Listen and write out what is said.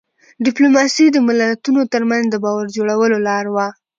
ډيپلوماسي د ملتونو ترمنځ د باور جوړولو لار وه.